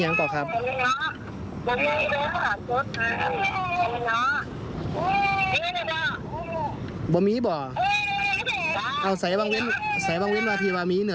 นี่อย่างก่อนครับ